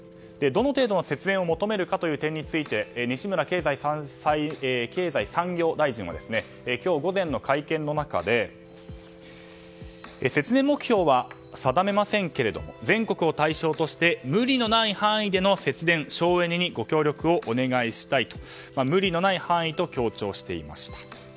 どの程度の節電を求めるかという点について西村経済産業大臣は今日午前の会見の中で節電目標は定めませんけれども全国を対象として無理のない範囲での節電省エネのご協力にお願いしたいと無理のない範囲と強調していました。